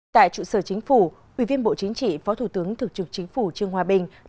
tại trụ sở chính phủ quy viên bộ chính trị phó thủ tướng thực trực chính phủ trương hòa bình